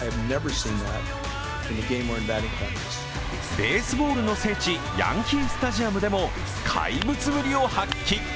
ベースボールの聖地、ヤンキースタジアムでも怪物ぶりを発揮。